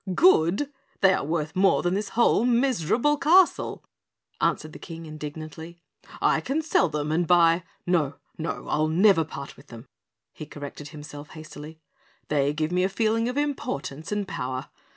Good? They are worth more than this whole miserable castle," answered the King indignantly. "I can sell them and buy no, no, I'll never part with them," he corrected himself hastily. "They give me a feeling of importance and power.